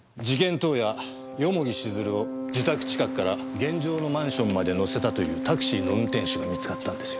当夜蓬城静流を自宅近くから現場のマンションまで乗せたというタクシーの運転手が見つかったんですよ。